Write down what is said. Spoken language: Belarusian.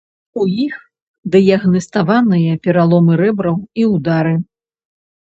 У іх дыягнаставаныя пераломы рэбраў і удары.